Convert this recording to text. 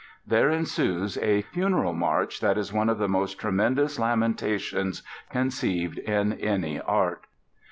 There ensues a Funeral March that is one of the most tremendous lamentations conceived in any art.